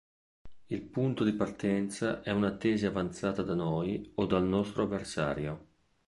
Il punto di partenza è una tesi avanzata da noi o dal nostro avversario.